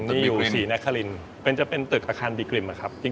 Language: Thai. นี่อยู่๔นาคารินจะเป็นตึกอาคารบีกริมครับครับ